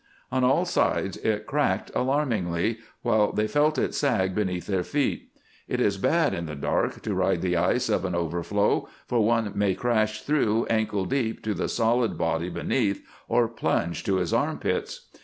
On all sides it cracked alarmingly, while they felt it sag beneath their feet. It is bad in the dark to ride the ice of an overflow, for one may crash through ankle deep to the solid body beneath or plunge to his armpits.